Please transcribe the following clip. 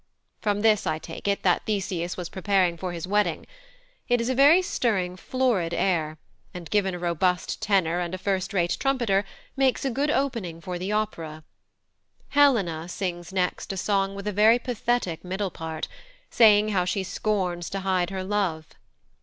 From this I take it that Theseus was preparing for his wedding. It is a very stirring, florid air, and, given a robust tenor and a first rate trumpeter, makes a good opening for the opera. Helena sings next a song with a very pathetic middle part, saying how she scorns to hide her love.